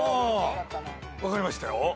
分かりましたよ。